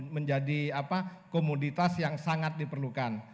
menjadi komoditas yang sangat diperlukan